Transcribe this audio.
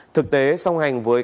thực tế song hành với